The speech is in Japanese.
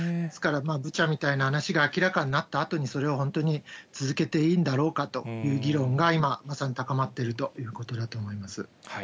ですから、ブチャみたいな話が明らかになったあとに、それを本当に続けていいんだろうかという議論が、今まさに、高まっているということだと思います。